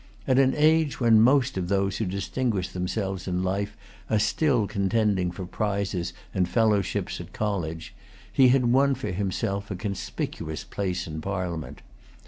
At an age when most of those who distinguish themselves in life are still contending for prizes and fellowships at collage, he had won for himself a conspicuous place in Parliament.